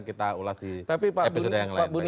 kita ulas di episode yang lain